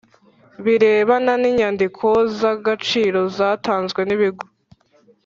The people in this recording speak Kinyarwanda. Birebana n inyandiko z agaciro zatanzwe n ibigo